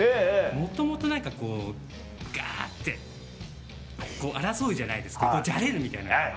もともと何かこうガ！って争うじゃないですかじゃれるみたいな。